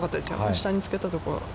下につけたとこ。